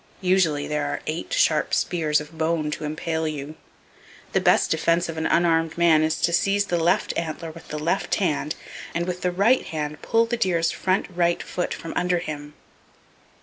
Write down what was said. Usually there are eight sharp spears of bone to impale you. The best defense of an unarmed man is to seize the left antler with the left hand, and with the right hand pull the deer's right front foot from under him.